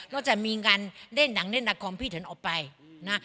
ก็จะมีงานเล่นหนังเล่นละครพี่เถินออกไปนะ